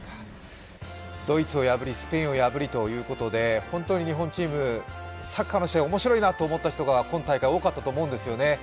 ドイツを破りスペインを破りということで、本当に日本チーム、サッカーの試合面白いなと思った人が今大会多かったと思うんですよね。